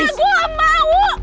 enggak gue gak mau